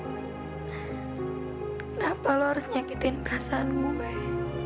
kenapa lo harus nyakitin perasaan gue